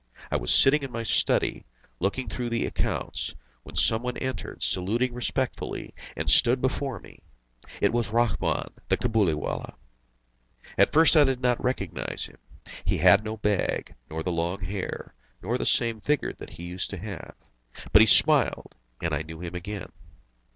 I was sitting in my study, looking through the accounts, when some one entered, saluting respectfully, and stood before me. It was Rahmun the Cabuliwallah. At first I did not recognise him. He had no bag, nor the long hair, nor the same vigour that he used to have. But he smiled, and I knew him again.